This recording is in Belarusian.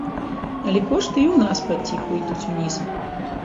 Але кошты і ў нас паціху ідуць уніз.